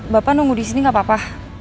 bapak nunggu disini gak apa apa